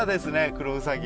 クロウサギ。